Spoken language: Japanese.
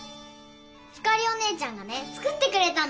星お姉ちゃんがね作ってくれたの。